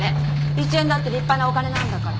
１円だって立派なお金なんだから。